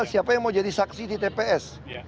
siapa yang mau jadi saksi di tps